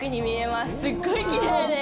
すっごいきれいです。